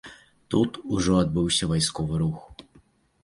Тут ужо адбыўся вайсковы рух.